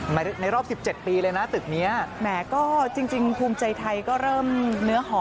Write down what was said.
วันนี้พูดถึงก็จัดสร้างรัฐบาลเลยป่ะครับ